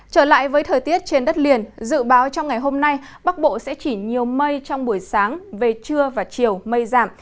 trở lại với thời tiết trên đất liền dự báo trong ngày hôm nay bắc bộ sẽ chỉ nhiều mây trong buổi sáng về trưa và chiều mây giảm